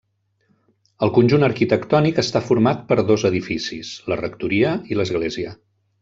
El conjunt arquitectònic està format per dos edificis: la rectoria i l'església.